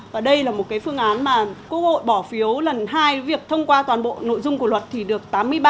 và đây là một cái phương án mà quốc hội bỏ phiếu lần hai việc thông qua toàn bộ nội dung của luật thì được tám mươi ba